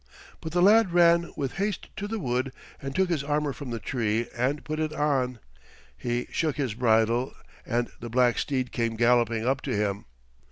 But the lad ran with haste to the wood and took his armor from the tree and put it on. He shook the bridle, and the black steed came galloping up to him.